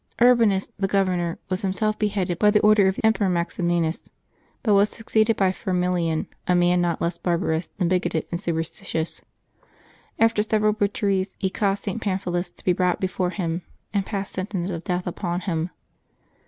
Frbanns, the governor, was himself beheaded by an order of the Emperor Maximinus, but was suc ceeded by Firmilian, a man not less barbarous than bigoted and superstitious. After several butcheries, he caused St Pamphilus to be brought before him, and passed sentence of death upon him.